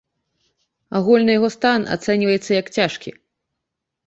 Агульны яго стан ацэньваецца, як цяжкі.